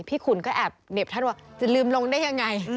ขุนก็แอบเหน็บท่านว่าจะลืมลงได้ยังไง